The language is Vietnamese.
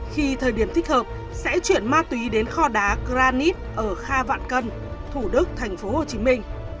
khi thời điểm thích hợp sẽ chuyển ma túy đến kho đá granite ở kha vạn cân thủ đức thành phố hồ chí minh